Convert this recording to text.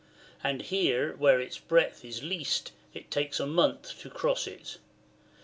And here, where its breadth is least, it takes a month to cross it.